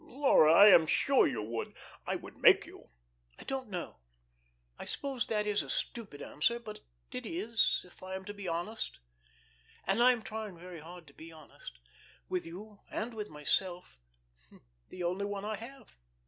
Laura, I am sure you would. I would make you." "I don't know. I suppose that is a stupid answer. But it is, if I am to be honest, and I am trying very hard to be honest with you and with myself the only one I have.